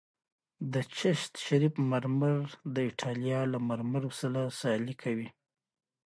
د چشت شریف مرمر د ایټالیا له مرمرو سره سیالي کوي